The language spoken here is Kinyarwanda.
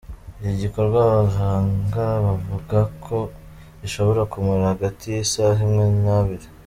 Iki gikorwa abahanga bavuga ko gishobora kumara hagati y’isaha imwe n’abiri.